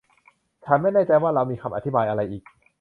ฉันไม่แน่ใจว่าเรามีคำอธิบายอะไรอีก